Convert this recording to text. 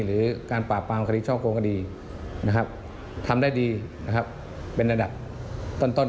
หรือการปราบปามคถิตชอบโนคดีทำแด่ดีเป็นระดับต้น